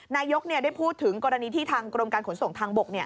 นายกได้พูดถึงกรณีที่ทางกรมการขนส่งทางบก